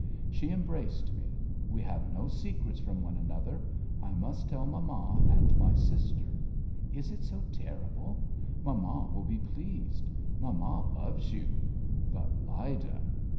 She embraced me: "We have no secrets from one another. I must tell mamma and my sister.... Is it so terrible? Mamma will be pleased. Mamma loves you, but Lyda!"